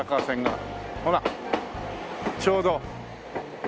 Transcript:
ほらちょうど。